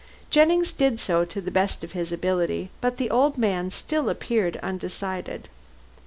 Jennings did so, to the best of his ability, but the old man still appeared undecided.